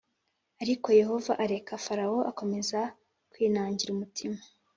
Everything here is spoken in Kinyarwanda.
Ariko yehova areka farawo akomeza kwinangira umutima